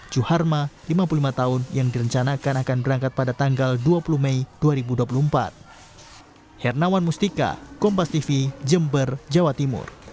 juharma lima puluh lima tahun yang direncanakan akan berangkat pada tanggal dua puluh mei dua ribu dua puluh empat